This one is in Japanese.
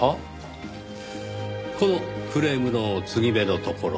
このフレームの継ぎ目のところ。